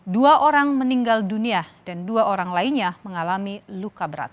dua orang meninggal dunia dan dua orang lainnya mengalami luka berat